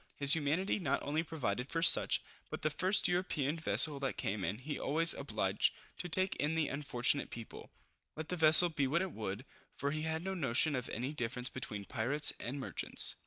His humanity not only provided for such, but the first European vessel that came in, he always obliged to take in the unfortunate people, let the vessel be what it would; for he had no notion of any difference between pirates and merchants.